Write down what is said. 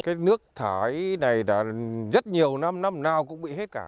cái nước thải này đã rất nhiều năm năm nào cũng bị hết cả